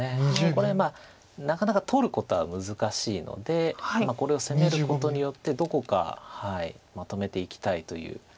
これまあなかなか取ることは難しいのでこれを攻めることによってどこかまとめていきたいという。